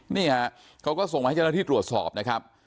นี่ฮะเขาก็ส่งมาให้เจ้าหน้าที่ตรวจสอบนะครับ